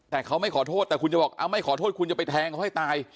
แต่เขาไม่ขอโทษแต่คุณจะบอกไม่ขอโทษคุณจะไปแทงเขาให้ตาย